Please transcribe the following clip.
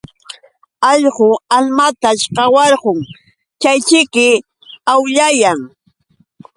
Allqu almataćh qawarqun chayćhiki awllayan.